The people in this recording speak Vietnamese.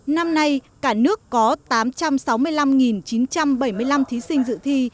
năm nay cả nước có tám trăm sáu mươi năm chín trăm bảy mươi năm thí sinh dự thi